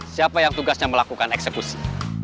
siapa yang tugasnya melakukan eksekusi